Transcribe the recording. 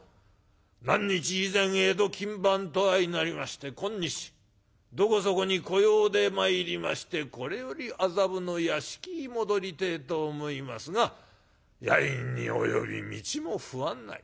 何日以前江戸勤番と相成りまして今日どこそこに小用で参りましてこれより麻布の屋敷へ戻りてえと思いますが夜陰に及び道も不安なり。